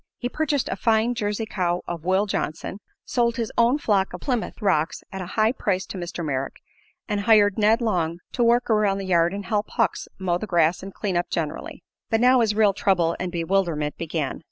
He purchased a fine Jersey cow of Will Johnson, sold his own flock of Plymouth Rocks at a high price to Mr. Merrick, and hired Ned Long to work around the yard and help Hucks mow the grass and "clean up" generally. But now his real trouble and bewilderment began.